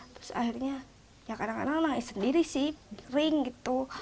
terus akhirnya ya kadang kadang nangis sendiri sih ring gitu